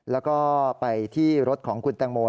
แล้วก็ไปที่รถของคุณแตงโม